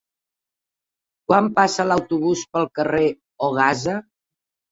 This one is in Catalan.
Quan passa l'autobús pel carrer Ogassa?